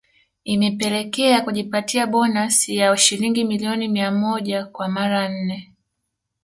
Imepelekea kujipatia bonasi ya shilingi milioni mia moja kwa mara nne